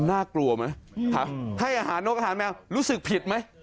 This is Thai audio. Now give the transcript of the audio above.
น่ากลัวไหมให้อาหารนกอาหารแมวรู้สึกผิดไหม